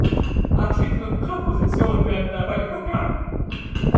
Artikel und Präpositionen werden dabei übergangen.